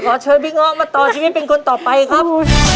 เชิญพี่ง้อมาต่อชีวิตเป็นคนต่อไปครับ